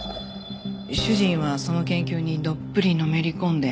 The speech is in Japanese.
主人はその研究にどっぷりのめり込んで。